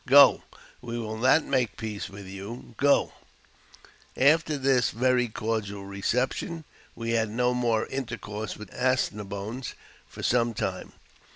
Go ! we will not make peace with you ; go !" After this very cordial reception, we had no more intercourse with the As ne boines for some time.